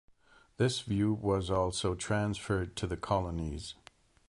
This view was also transferred to the colonies.